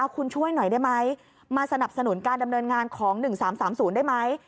คุณช่วยหน่อยได้ไหมมาสนับสนุนการดำเนินงานของ๑๓๓๐ได้ไหม